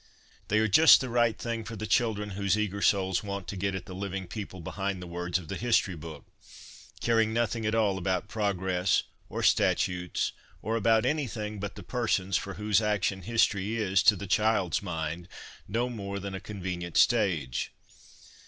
They are just the right thing for the children whose eager souls want to get at the living people behind the words of the history book, caring nothing at all about progress, or statutes, or about anything but the persons, for whose action history is, to the child's mind, no more than a convenient stage.